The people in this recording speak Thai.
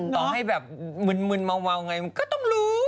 ต่อให้แบบมึนเมาไงมันก็ต้องรู้